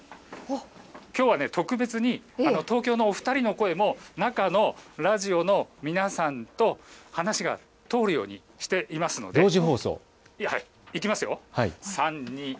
きょうは特別に東京の２人の声もラジオの皆さんと話が通るようにしていますので行きますよ。